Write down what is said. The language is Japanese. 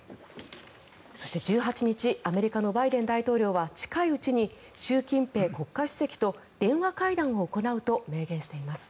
そして、１８日アメリカのバイデン大統領は近いうちに習近平国家主席と電話会談を行うと明言しています。